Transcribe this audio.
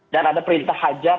dan ada perintah hajar